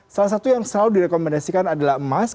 salah satu yang selalu direkomendasikan adalah emas